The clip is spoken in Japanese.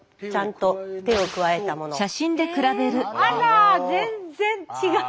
あら全然違う。